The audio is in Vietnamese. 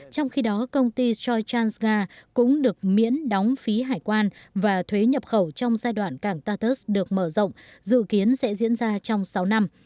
trong khi đó công ty soichans nga cũng được miễn đóng phí hải quan và thuế nhập khẩu trong giai đoạn cảng tartus được mở rộng dự kiến sẽ diễn ra trong sáu năm